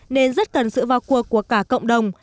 nên rất cần sự vào cuộc của cả cộng đồng